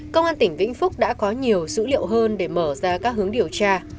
công an tỉnh vĩnh phúc đã có nhiều dữ liệu hơn để mở ra các hướng điều tra